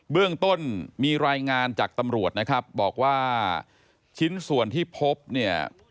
เรื่องต้นมีรายงานจากตำรวจนะครับบอกว่าชิ้นส่วนที่พบเนี่ย